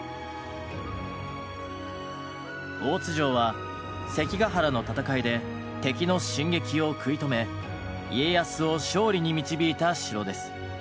大津城は関ヶ原の戦いで敵の進撃を食い止め家康を勝利に導いた城です。